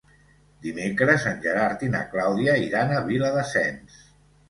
Dimecres en Gerard i na Clàudia iran a Viladasens.